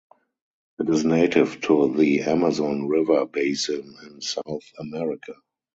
It is native to the Amazon River basin in South America.